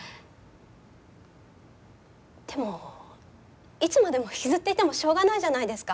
でもいつまでも引きずっていてもしょうがないじゃないですか。